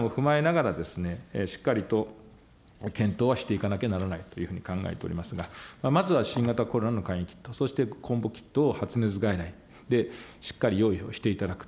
それらも踏まえながら、しっかりと検討はしていかなければいけないというふうに考えておりますが、まずは新型コロナの簡易キット、そしてコンボキットを発熱外来、しっかり用意をしていただく。